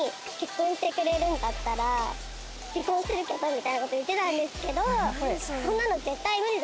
みたいなこと言ってたんですけど。